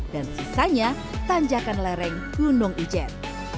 dan sisanya tanjakan lereng gunung ijen